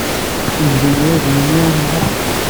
Wejden yirden-nni i tmegra.